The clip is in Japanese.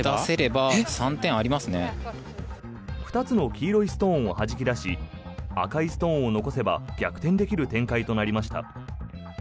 ２つの黄色いストーンをはじき出し赤いストーンを残せば逆転できる展開となりました。